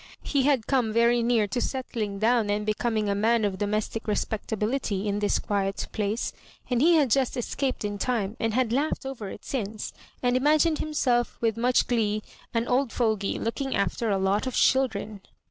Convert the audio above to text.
He had come very near to set tling down and becoming a man of domestic respectability in this quiet place, and he had just escaped in time, and had laughed over it since, and imagined himselfj with much glee, an old fogie looking after a lot of children.